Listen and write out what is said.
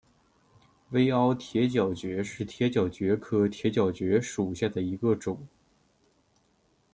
微凹铁角蕨为铁角蕨科铁角蕨属下的一个种。